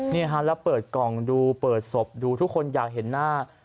นี่ฮะแล้วเปิดกล่องดูเปิดศพดูทุกคนอยากเห็นหน้า